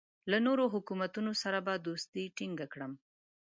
له نورو حکومتونو سره به دوستي ټینګه کړم.